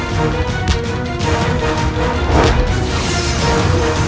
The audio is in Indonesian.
tapi jangan salah si anime